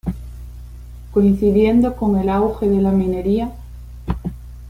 Coincidiendo con el auge de la minería.